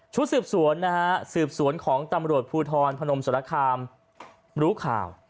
ชุดสืบสวนนะฮะสืบสวนของตำรวจภูทรพนมสรคามรู้ข่าว